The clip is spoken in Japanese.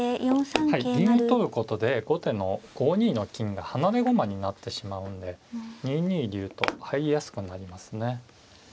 はい銀を取ることで後手の５二の金が離れ駒になってしまうんで２二竜と入りやすくなりますね。